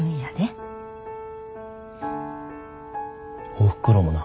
おふくろもな。